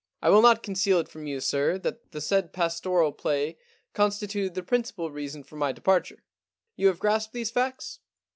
I will not conceal it from 170 The Alibi Problem you, sir, that the said pastoral play constituted the principal reason for my departure. * You have grasped these facts